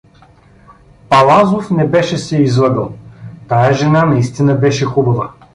Палазов не беше се излъгал — тая жена наистина беше хубава.